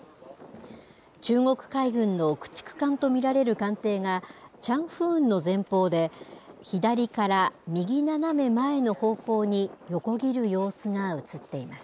中国海軍の駆逐艦と見られる艦艇がチャンフーンの前方で左から右斜め前の方向に横切る様子が写っています。